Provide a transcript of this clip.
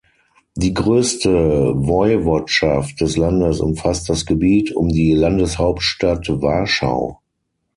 Die größte Woiwodschaft des Landes umfasst das Gebiet um die Landeshauptstadt Warschau.